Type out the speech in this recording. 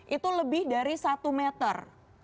itu lebih dari satu meter